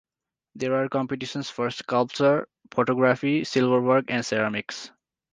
There are competitions for sculpture, photography, silverwork and ceramics.